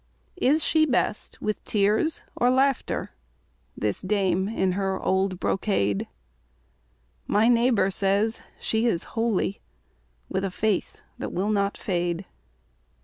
Is she best with tears or laughter, This dame in her old brocade? My neighbour says she is holy, With a faith that will not fade.